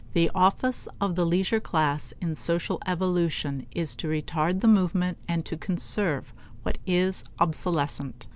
The office of the leisure class in social evolution is to retard the movement and to conserve what is obsolescent.